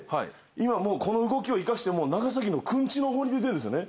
今この動きを生かして長崎のくんちの方に出てんですよね。